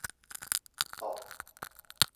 ตบ